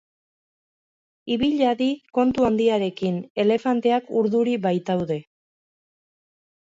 Ibil hadi kontu handiarekin elefanteak urduri baitaude.